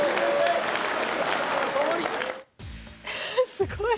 すごい。